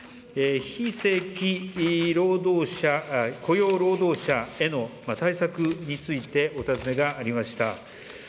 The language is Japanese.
非正規労働者、雇用労働者への対策について、お尋ねがありました。